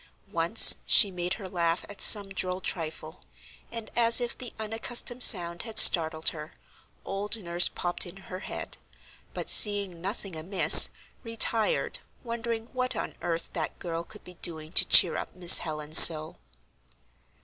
Once she made her laugh at some droll trifle, and as if the unaccustomed sound had startled her, old nurse popped in her head; but seeing nothing amiss retired, wondering what on earth that girl could be doing to cheer up Miss Helen so.